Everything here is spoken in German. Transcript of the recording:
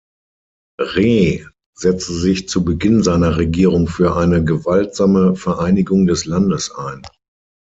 Rhee setzte sich zu Beginn seiner Regierung für eine gewaltsame Vereinigung des Landes ein.